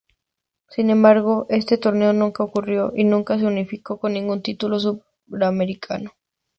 Sin embargo, este torneo nunca ocurrió y nunca se unificó con ningún título suramericano.